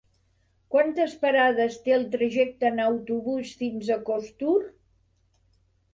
Quantes parades té el trajecte en autobús fins a Costur?